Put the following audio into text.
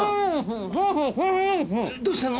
どうしたの？